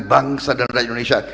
bangsa dan rakyat indonesia